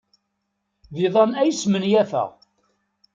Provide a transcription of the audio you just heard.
D iḍan ay smenyafeɣ.